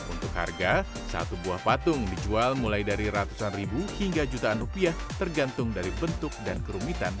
untuk harga satu buah patung dijual mulai dari ratusan ribu hingga jutaan rupiah tergantung dari bentuk dan kerumitan